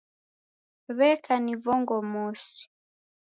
w'eka ni vongo mosi